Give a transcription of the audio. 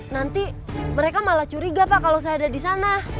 nanti mereka malah curiga pak kalau saya ada di sana